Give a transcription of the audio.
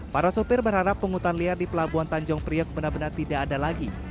para sopir berharap penghutan liar di pelabuhan tanjung priok benar benar tidak ada lagi